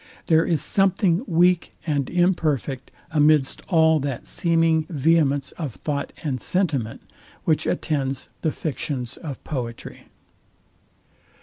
There is something weak and imperfect amidst all that seeming vehemence of thought and sentiment, which attends the fictions of poetry.